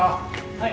・はい。